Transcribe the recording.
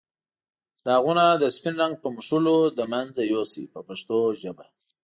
داغونه د سپین رنګ په مښلو له منځه یو سئ په پښتو ژبه.